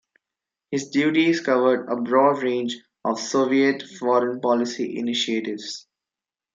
His duties covered a broad range of Soviet foreign policy initiatives.